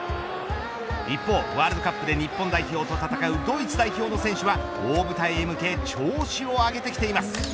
一方、ワールドカップで日本代表と戦うドイツ代表の選手は大舞台へ向け調子を上げてきています。